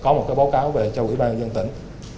có một cái báo cáo về cho quỹ ban dân tỉnh